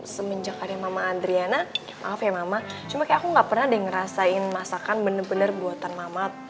semenjak ada mama adriana maaf ya mama cuma kayak aku gak pernah deh ngerasain masakan bener bener buatan mamat